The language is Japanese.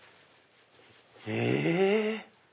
へぇ！